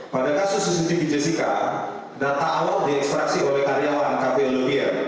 pada kasus cctv jessica data awal diekstraksi oleh karyawan kpu lubier